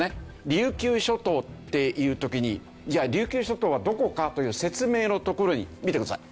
琉球諸島っていう時にじゃあ琉球諸島はどこかという説明のところに見てください